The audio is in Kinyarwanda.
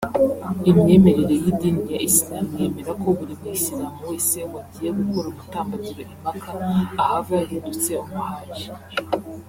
Imyemerere y’idini ya Islam yemera ko buri muyisilamu wese wagiye gukora umutambagiro i Maka ahava yahindutse umuhaji